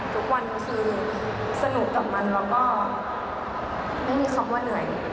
ทุกวันก็คือสนุกกับมันแล้วก็ไม่มีคำว่าเหนื่อย